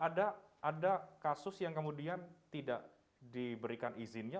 ada kasus yang kemudian tidak diberikan izinnya